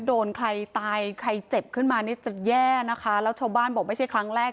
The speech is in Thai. โดนใครตายใครเจ็บขึ้นมานี่จะแย่นะคะแล้วชาวบ้านบอกไม่ใช่ครั้งแรก